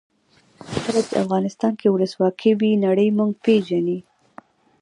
کله چې افغانستان کې ولسواکي وي نړۍ موږ پېژني.